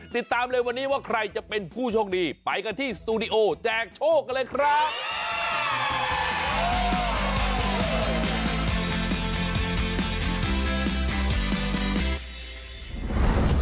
ติดตามเลยวันนี้ว่าใครจะเป็นผู้โชคดีไปกันที่สตูดิโอแจกโชคกันเลยครับ